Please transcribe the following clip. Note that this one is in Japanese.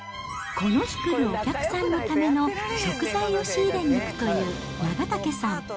この日来るお客さんのための食材を仕入れに行くという長竹さん。